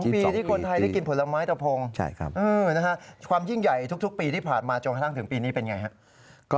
ปีที่คนไทยได้กินผลไม้ตะพงความยิ่งใหญ่ทุกปีที่ผ่านมาจนกระทั่งถึงปีนี้เป็นไงครับ